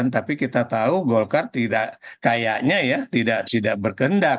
tapi kita tahu golkar tidak kayaknya ya tidak berkendak